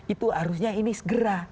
itu harusnya ini segera